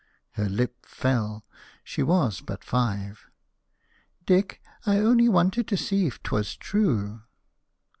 Her lip fell: she was but five. "Dick, I only wanted to see if 'twas true."